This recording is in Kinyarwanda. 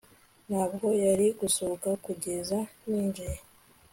Ntabwo yari gusohoka kugeza ninjiye